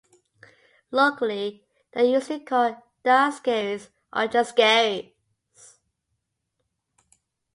Locally, they are usually called Da Skerries or just Skerries.